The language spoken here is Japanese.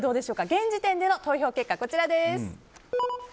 現時点での投票結果、こちらです。